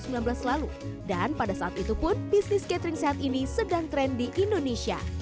sejak tahun dua ribu sembilan belas lalu dan pada saat itu pun bisnis catering sehat ini sedang keren di indonesia